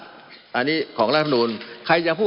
มันมีมาต่อเนื่องมีเหตุการณ์ที่ไม่เคยเกิดขึ้น